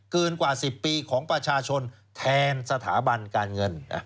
กว่า๑๐ปีของประชาชนแทนสถาบันการเงิน